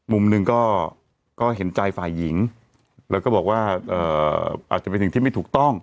มุมหนึ่งก็เห็นใจฝ่ายหญิงแล้วก็บอกว่าอาจจะเป็นสิ่งที่ไม่ถูกต้อง